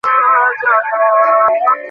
তিনি পরাক্রমশালী সম্রাজ্যে পরিনত করেন।